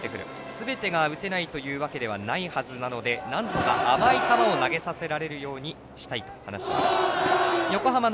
すべてが打てないというわけではないはずなのでなんとか甘い球を投げさせるようにしたいと話をしていました。